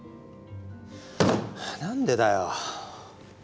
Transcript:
何でだよ。